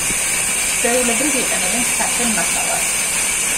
ჩვეულებრივ იყენებენ საშენ მასალად.